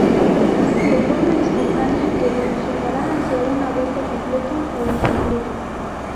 De forma espontánea, evolucionará hacia un aborto completo o incompleto.